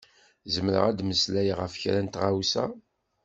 Zemreɣ ad d-meslayeɣ ɣef kra n tɣawsa?